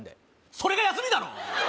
それが休みだろ！